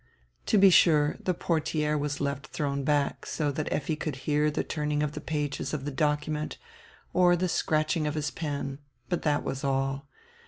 To be sure, the portiere was left thrown back, so that Effi could hear the turning of the pages of the docu ment or the scratching of his pen, but that was all.